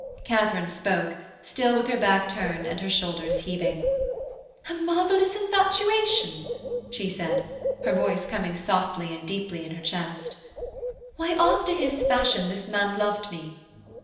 Katharine spoke, still with her back turned and her shoulders heaving: 'A marvellous infatuation!' she said, her voice coming softly and deeply in her chest. 'Why, after his fashion this man loved me.